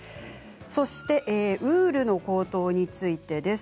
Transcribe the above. そしてウールの高騰についてです。